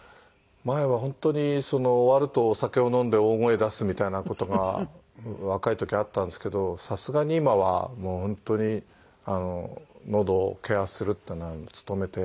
前は本当に終わるとお酒を飲んで大声出すみたいな事が若い時あったんですけどさすがに今はもう本当にのどをケアするっていうのを努めて。